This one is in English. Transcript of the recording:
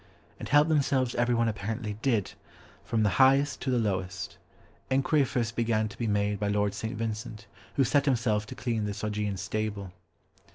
And help themselves everyone apparently did, from the highest to the lowest. Enquiry first began to be made by Lord St. Vincent, who set himself to clean this Augean stable.